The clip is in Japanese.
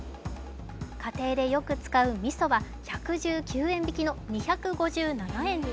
家庭でよく使うみそは１１９円引きの２５７円に。